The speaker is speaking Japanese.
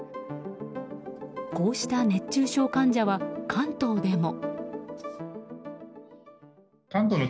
こうした熱中症患者は関東でも。